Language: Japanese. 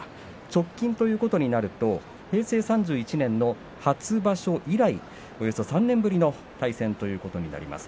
直近ということになると平成３１年の初場所以来およそ３年ぶりの対戦ということになります。